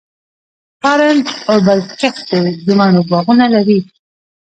تارڼ اوبښتکۍ د مڼو باغونه لري.